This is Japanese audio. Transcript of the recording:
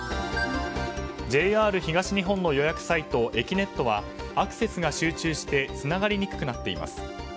ＪＲ東日本の予約サイトえきねっとはアクセスが集中してつながりにくくなっています。